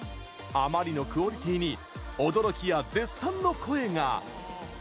あまりのクオリティーに驚きや絶賛の声が！